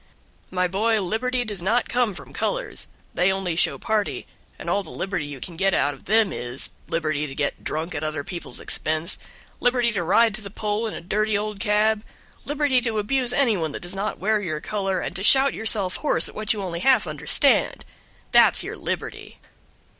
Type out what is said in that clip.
"My boy, Liberty does not come from colors, they only show party, and all the liberty you can get out of them is, liberty to get drunk at other people's expense, liberty to ride to the poll in a dirty old cab, liberty to abuse any one that does not wear your color, and to shout yourself hoarse at what you only half understand that's your liberty!"